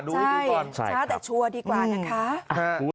ดูดีกว่าใช่ใช่แต่ชัวร์ดีกว่านะคะค่ะ